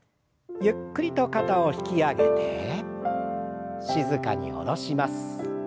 ゆっくりと肩を引き上げて静かに下ろします。